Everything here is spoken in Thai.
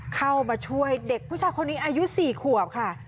เข้ามาช่วยเด็กผู้ชายคนนี้อายุ๔ขวบค่ะ